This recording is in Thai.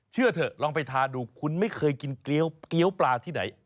เชื่อเถอะลองไปทานดูคุณไม่เคยกินเกี้ยวปลาที่ไหน